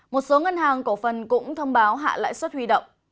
một số ngân hàng cổ phần cũng thông báo hạ lãi suất huy động